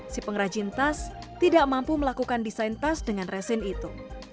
si pengrajin tas tidak mampu melakukan desain tas dengan resin itu